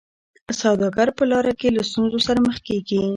سوداګر په لاره کي له ستونزو سره مخ کیږي.